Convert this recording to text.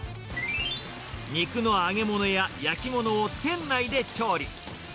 肉の揚げ物や焼き物を店内で調理。